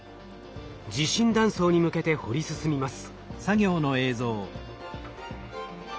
地震断層に向けて掘り進みます。